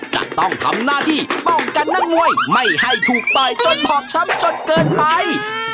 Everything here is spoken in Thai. จะต้องทำหน้าที่ป้องกันนักมวยไม่ให้ถูกต่อยจนบอบช้ำจนเกินไป